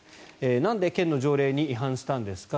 なんで県の条例に違反したんですか？